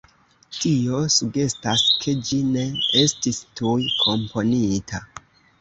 Tio sugestas ke ĝi ne estis tuj komponita.